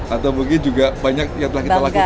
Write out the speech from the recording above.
atau mungkin juga banyak yang telah kita lakukan